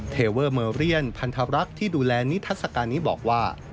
เทเวอร์เมอร์เรียนพันธรรักษ์ที่ดูแลนิทัศกาลนี้บอกว่า